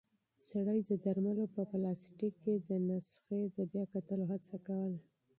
سړی د درملو په پلاستیک کې د نسخې د بیا کتلو هڅه کوله.